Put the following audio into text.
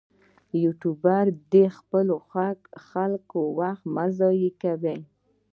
یوټوبر دې د خلکو وخت مه ضایع کوي.